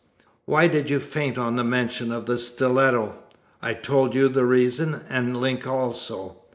"Why did you faint on the mention of the stiletto?" "I told you the reason, and Link also."